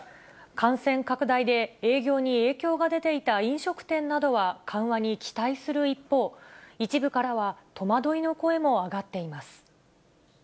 感染拡大で営業に影響が出ていた飲食店などは、緩和に期待する一方、一部からは戸惑いの声も上がっています。